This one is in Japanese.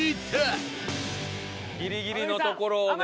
ギリギリのところをね